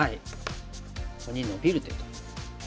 ここにノビる手と。